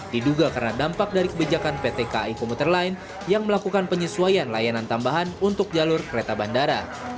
diduga karena dampak dari kebijakan pt kai komuter line yang melakukan penyesuaian layanan tambahan untuk jalur kereta bandara